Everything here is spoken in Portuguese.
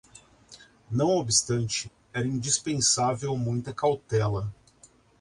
Não obstante, era indispensável muita cautela: